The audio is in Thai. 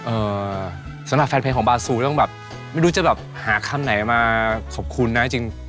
เอ่อสำหรับแฟนเพลงของบาซูต้องแบบไม่รู้จะแบบหาคำไหนมาขอบคุณนะจริง